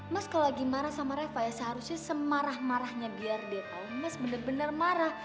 mas kalau lagi marah sama reva ya seharusnya semarah marahnya biar dia tahu mas bener bener marah